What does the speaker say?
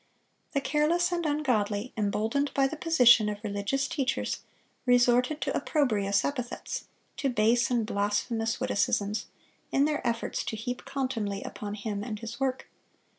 The careless and ungodly, emboldened by the position of religious teachers, resorted to opprobrious epithets, to base and blasphemous witticisms, in their efforts to heap contumely upon him and his work.